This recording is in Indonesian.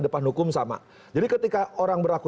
depan hukum sama jadi ketika orang berlaku